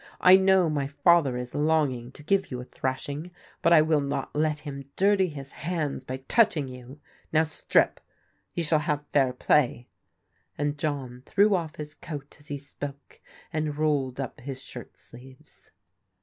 " I know my father is longing to give you a thrashing, but I will not let him dirty his hands by touching you. Now strip. You shall have fair play," and John threw oflF his coat as he spoke and rolled up his shirt sleeves.